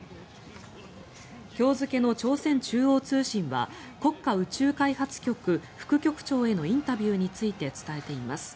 今日付の朝鮮中央通信は国家宇宙開発局副局長へのインタビューについて伝えています。